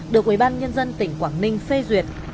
được ubnd tỉnh quảng ninh phê duyệt